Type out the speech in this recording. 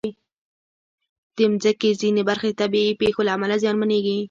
د مځکې ځینې برخې د طبعي پېښو له امله زیانمنېږي.